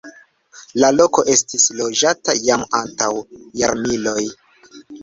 La loko estis loĝata jam antaŭ jarmiloj.